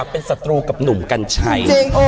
เป็นศาลุเจ้ากับหนุ่มกันชัย